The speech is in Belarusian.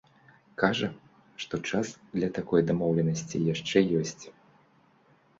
Кажа, што час для такой дамоўленасці яшчэ ёсць.